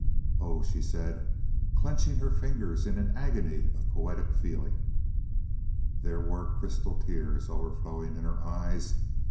"Oh," she said, clenching her fingers in an agony of poetic feeling. There were crystal tears overflowing in her eyes.